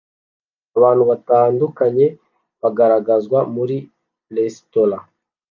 Abantu batandukanye bagaragazwa muri resitora